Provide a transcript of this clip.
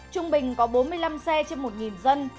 trung bình có bốn mươi năm xe trên một dân